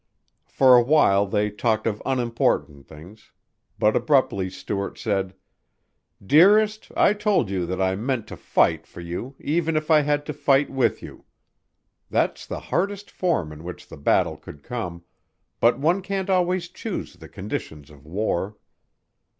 For awhile they talked of unimportant things, but abruptly Stuart said: "Dearest, I told you that I meant to fight for you even if I had to fight with you. That's the hardest form in which the battle could come, but one can't always choose the conditions of war."